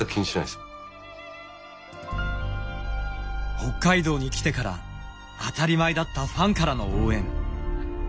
北海道に来てから当たり前だったファンからの応援。